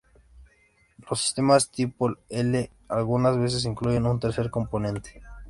Los sistemas tipo I algunas veces incluyen un tercer componente.